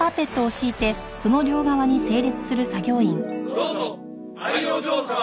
どうぞあいお嬢様。